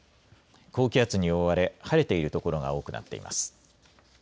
高気圧に覆われ晴れている所が多くなっています。